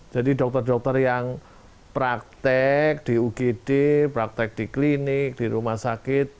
jadi dokter dokter yang praktek di ukd praktek di klinik di rumah sakit